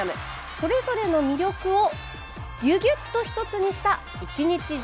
それぞれの魅力をギュギュッと１つにした一日中